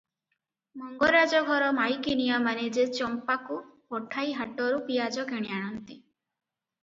ମଙ୍ଗରାଜ ଘର ମାଇକିନିଆମାନେ ଯେ ଚମ୍ପାକୁ ପଠାଇ ହାଟରୁ ପିଆଜ କିଣି ଆଣନ୍ତି!